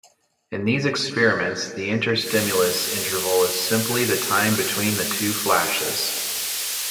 In these experiments, the interstimulus interval is simply the time between the two flashes.